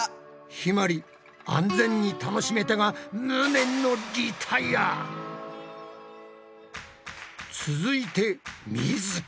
ひまり安全に楽しめたが続いてみづき。